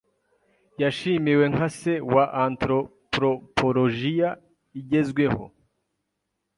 Yashimiwe nka se wa antropropologiya igezweho.